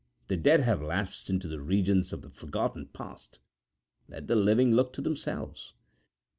The dead have lapsed into the regions of the forgotten past let the living look to themselves.'